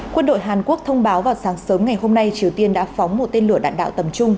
quân đội hàn quốc thông báo vào sáng sớm ngày hôm nay triều tiên đã phóng một tên lửa đạn đạo tầm trung